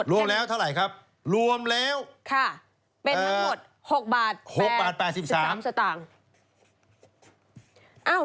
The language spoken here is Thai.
รวมแล้วเป็นทั้งหมด๖บาท๘๓สตางค์